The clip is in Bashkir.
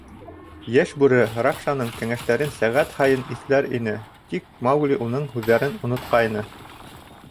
Йәш бүре Ракшаның кәңәштәрен сәғәт һайын иҫләр ине, тик Маугли уның һүҙҙәрен онотҡайны.